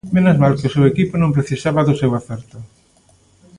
Menos mal que o seu equipo non precisaba do seu acerto.